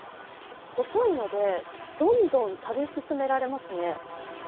細いので、どんどん食べ進められますね。